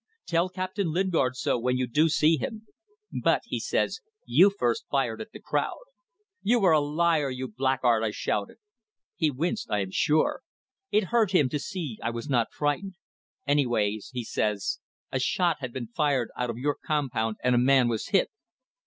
Tell Captain Lingard so when you do see him. But,' he says, 'you first fired at the crowd.' 'You are a liar, you blackguard!' I shouted. He winced, I am sure. It hurt him to see I was not frightened. 'Anyways,' he says, 'a shot had been fired out of your compound and a man was hit.